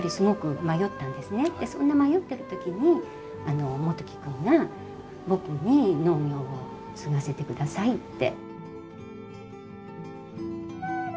そんな迷ってる時に元規君が僕に農業を継がせてくださいって。